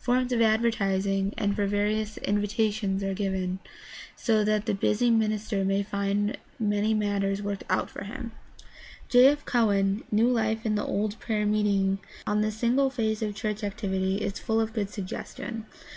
Forms for advertising and for various invitations are given, so that the busy minis ter may find many matters worked out for him. J. F. Cowan, New Life in the Old Prayer Meeting (New York: Revell, 1906), on this single phase of church activity is full of good suggestion.